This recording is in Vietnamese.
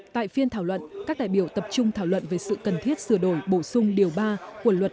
tại phiên thảo luận các đại biểu tập trung thảo luận về sự cần thiết sửa đổi bổ sung điều ba của luật